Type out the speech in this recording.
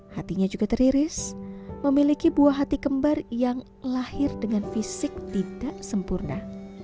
hatinya juga teriris memiliki buah hati kembar yang lahir dengan fisik tidak sempurna